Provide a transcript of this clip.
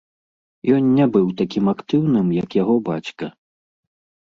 Ён не быў такім актыўным, як яго бацька.